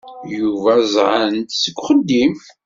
Yuba ẓẓɛent seg uxeddim.